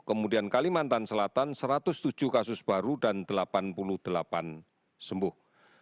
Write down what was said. kemudian kalimantan selatan satu ratus tujuh kasus baru dan delapan puluh delapan sembuh